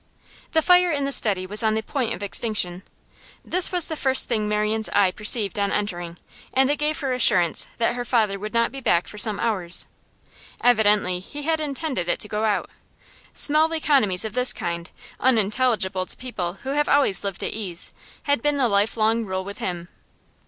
The fire in the study was on the point of extinction; this was the first thing Marian's eye perceived on entering, and it gave her assurance that her father would not be back for some hours. Evidently he had intended it to go out; small economies of this kind, unintelligible to people who have always lived at ease, had been the life long rule with him.